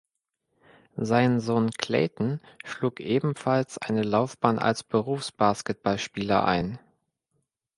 Sein Sohn Clayton schlug ebenfalls eine Laufbahn als Berufsbasketballspieler ein.